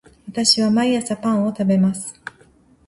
私は毎朝パンを食べます